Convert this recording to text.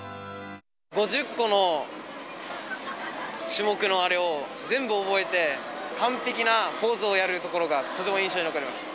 ５０個の種目のあれを全部覚えて、完璧なポーズをやるところが、とても印象に残りました。